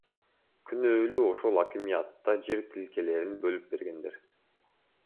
Күнөөлүү ошол акимиатта жер тилкелерин бөлүп бергендер.